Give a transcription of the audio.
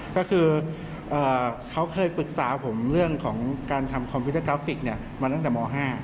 ก็คือเขาเคยปรึกษาผมเรื่องของการทำคอมพิวเตอร์กราฟิกมาตั้งแต่ม๕